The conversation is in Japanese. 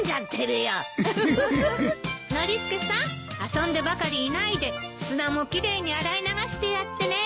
遊んでばかりいないで砂も奇麗に洗い流してやってね。